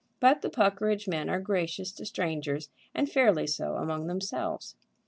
But the Puckeridge men are gracious to strangers, and fairly so among themselves.